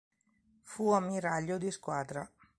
Fu ammiraglio di squadra.